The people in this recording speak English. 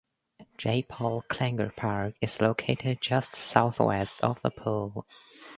J. Paul Klinger Park is located just southwest of the pool.